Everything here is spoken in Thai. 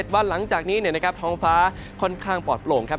วันหลังจากนี้นะครับท้องฟ้าค่อนข้างปลอดโปร่งครับ